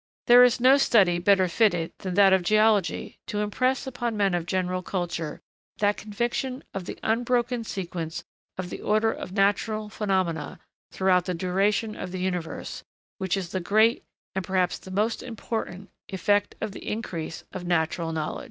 There is no study better fitted than that of geology to impress upon men of general culture that conviction of the unbroken sequence of the order of natural phenomena, throughout the duration of the universe, which is the great, and perhaps the most important, effect of the increase of natural knowledge.